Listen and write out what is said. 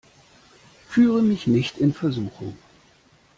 Führe mich nicht in Versuchung!